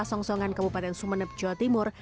di pasongsongan kabupaten sumeneb jawa timur